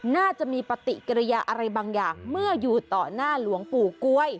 น่าจะมีปฏิกิริยาอะไรบางอย่างเมื่ออยู่ต่อหน้าหลวงปู่กล้วย